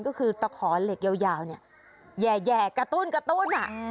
ก็คือตะขอเหล็กยาวเนี่ยแย่กระตุ้นกระตุ้น